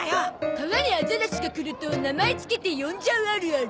川にアザラシが来ると名前付けて呼んじゃうあるある。